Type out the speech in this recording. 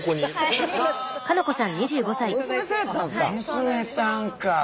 娘さんか。